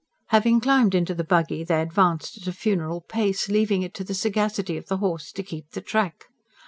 Having climbed into the buggy they advanced at a funeral pace, leaving it to the sagacity of the horse to keep the track.